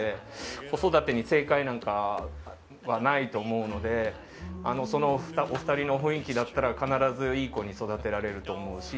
子育てに正解なんかないと思うのでお二人の雰囲気だったら必ずいい子に育てられると思うし。